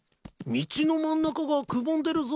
道の真ん中がくぼんでるぞ。